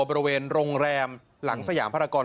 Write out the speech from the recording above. บริเวณโรงแรมหลังสยามภารกร